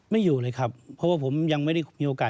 อยู่เลยครับเพราะว่าผมยังไม่ได้มีโอกาส